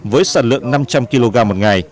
với sản lượng năm trăm linh kg một ngày